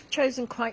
はい。